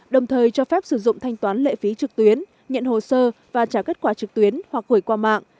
đồng thời cho phép sử dụng thanh toán lệ phí trực tuyến nhận hồ sơ và trả kết quả trực tuyến hoặc gửi qua mạng